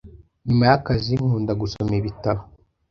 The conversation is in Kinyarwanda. Nyuma y’akazi nkunda gusoma ibitabo